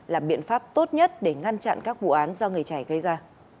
là biện pháp tốt nhất để ngăn chặn các vụ án do người trẻ gây ra